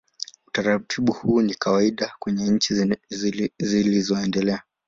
Utaratibu huu ni wa kawaida kwenye nchi zilizoendelea.